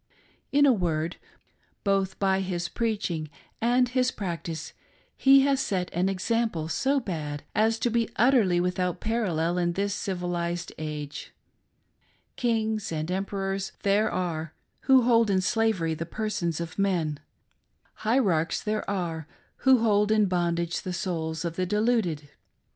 In a word — both by his preaching and his" practice he has set an example so bad as to be utterly without parallel in this civilised age. Kings and emperors there are who hold in slavery the persons of men : hierarchs there are who hold in bondage the souls of the deluded.